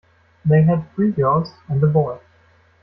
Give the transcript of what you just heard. They had three girls and a boy.